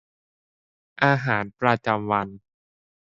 อาหารประจำวัน